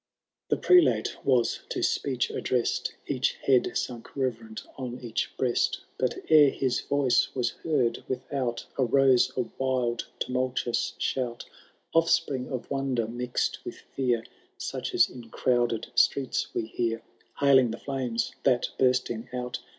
III. The Prelate was to speech addressed. Each head sunk reverent on each breast ; But ere his voice was heard^i^without Arose a wild tumultuous shout. Offspring of wonder mix^d with fear. Such as in crowded streets we hear Hailing the flames, that, bursting out.